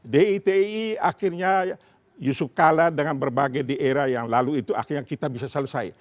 ditii akhirnya yusuk kalah dengan berbagai era yang lalu itu akhirnya kita bisa selesai